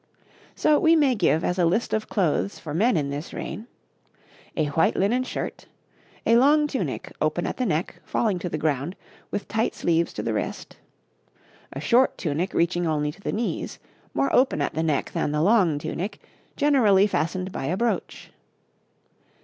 So we may give as a list of clothes for men in this reign: A white linen shirt. A long tunic, open at the neck, falling to the ground, with tight sleeves to the wrist. A short tunic reaching only to the knees, more open at the neck than the long tunic, generally fastened by a brooch.